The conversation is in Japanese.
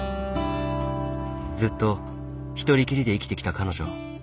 ずっと一人きりで生きてきた彼女。